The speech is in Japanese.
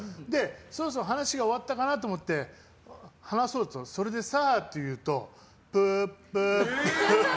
そろそろ話が終わったかなと思って話そうとしてそれでさって言うとプープープーって。